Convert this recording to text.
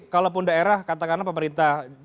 kalaupun daerah katakanlah pemerintah